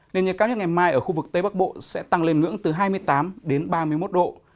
nền nhiệt cao nhất ngày mai ở khu vực tây bắc bộ sẽ tăng lên ngưỡng từ hai mươi tám đến ba mươi một độ